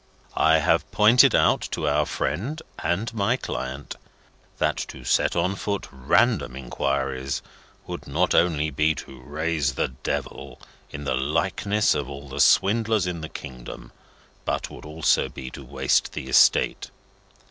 I have pointed out to our friend (and my client), that to set on foot random inquiries would not only be to raise the Devil, in the likeness of all the swindlers in the kingdom, but would also be to waste the estate.